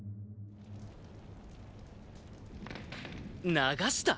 流した？